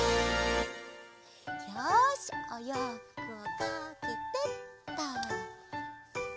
よしおようふくをかけてっと！